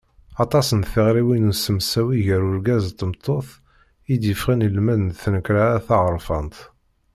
Aṭas n tiɣriwin i usemsawi gar urgaz d tmeṭṭut i d-yeffɣen i lmend n tnekkra-a taɣerfant.